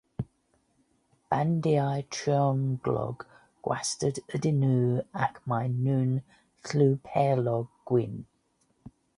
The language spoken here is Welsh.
Bandiau trionglog gwastad ydyn nhw ac maen nhw'n lliw perlog gwyn.